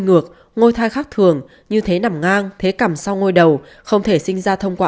ngược ngôi khác thường như thế nằm ngang thế cầm sau ngôi đầu không thể sinh ra thông qua